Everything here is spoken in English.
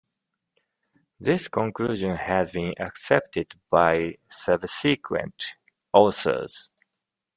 This conclusion has been accepted by subsequent authors.